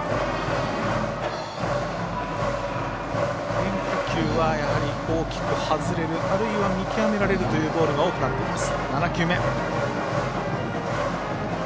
変化球は大きく外れるあるいは見極められるというボールが多くなっています。